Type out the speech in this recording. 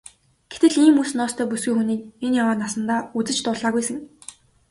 Гэтэл ийм үс ноостой бүсгүй хүнийг энэ яваа насандаа үзэж дуулаагүй сэн.